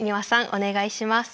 お願いします。